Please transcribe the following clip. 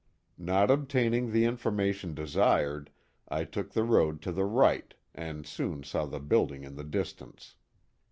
Not obtaining the information desired, I took the road to the right, and soon saw the building in the distance.